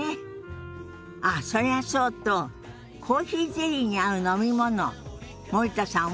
あっそれはそうとコーヒーゼリーに合う飲み物森田さん